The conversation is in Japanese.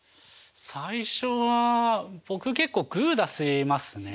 最初は僕結構グー出しますね。